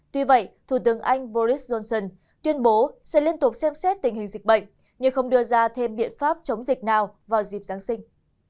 tuy vậy thủ tướng anh boris johnson tuyên bố sẽ liên tục xem xét tình hình dịch bệnh như không đưa ra thêm biện pháp chống dịch nào vào dịp giáng sinh